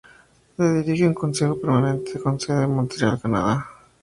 La dirige un consejo permanente con sede en Montreal, Canadá.